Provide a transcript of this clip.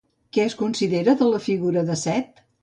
Què es considera de la figura de Set?